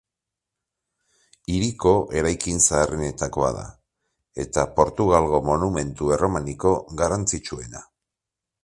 Hiriko eraikin zaharrenetakoa da eta Portugalgo monumentu erromaniko garrantzitsuena.